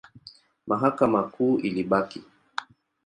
Mahakama Kuu ilibaki.